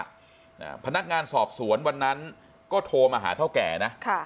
อ่าพนักงานสอบสวนวันนั้นก็โทรมาหาเท่าแก่นะค่ะ